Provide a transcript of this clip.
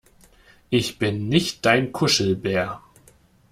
Ich bin nicht dein Kuschelbär!